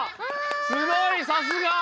すごいさすが。